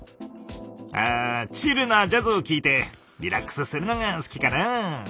あチルなジャズを聴いてリラックスするのが好きかな。